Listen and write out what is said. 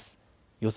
予想